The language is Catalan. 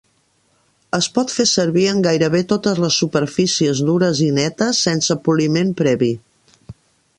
Es pot fer servir en gairebé totes les superfícies dures i netes sense poliment previ.